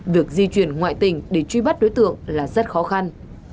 việc di chuyển ngoại tỉnh để truy bắt đối tượng là rất khó khăn